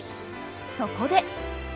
そこで！